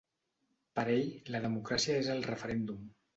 Per ell, ‘la democràcia és el referèndum’.